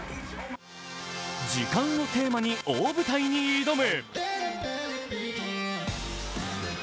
「時間」をテーマに、大舞台に挑む。